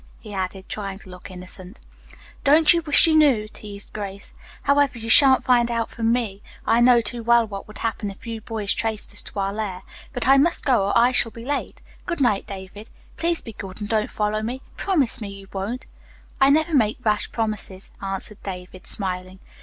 he added, trying to look innocent. "Don't you wish you knew?" teased Grace. "However, you shan't find out from me. I know too well what would happen if you boys traced us to our lair. But I must go or I shall be late. Good night, David. Please be good and don't follow me. Promise me you won't." "I never make rash promises," answered David, smiling.